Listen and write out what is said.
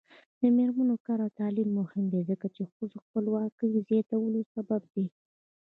د میرمنو کار او تعلیم مهم دی ځکه چې ښځو خپلواکۍ زیاتولو سبب دی.